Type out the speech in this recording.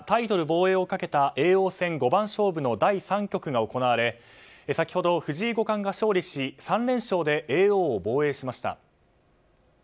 防衛をかけた叡王戦五番勝負の第３局が行われ先ほど、藤井五冠が勝利し３連勝で叡王を防衛しました。